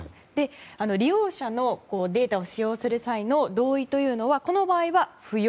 利用者のデータを使用する際の同意はこの場合は不要。